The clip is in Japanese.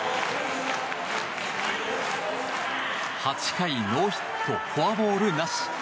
８回ノーヒットフォアボールなし。